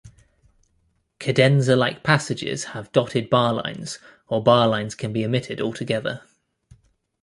Cadenza-like passages can have dotted barlines, or barlines can be omitted altogether.